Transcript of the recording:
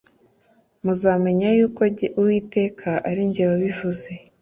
muzamenya yuko jye Uwiteka ari jye wabivuze